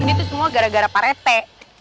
ini tuh semua gara gara parete